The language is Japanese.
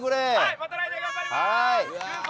また来年、頑張ります。